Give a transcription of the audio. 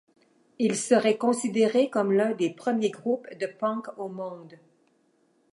Ils seraient considérés comme l'un des premiers groupes de punk au monde.